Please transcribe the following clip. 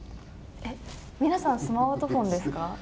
えっ、皆さんスマートフォンですか？